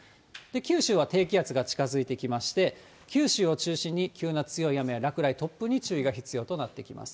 九州は低気圧が近づいてきまして、九州を中心に急な強い雨や落雷、突風に注意が必要となってきます。